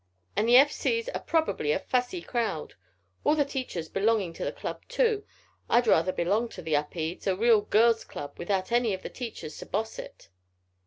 "And the F. C.'s are probably a fussy crowd. All the teachers belonging to the club too. I'd rather belong to the Upedes a real girls' club without any of the teachers to boss it."